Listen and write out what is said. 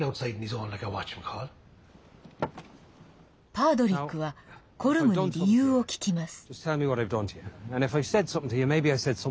パードリックはコルムに理由を聞きます。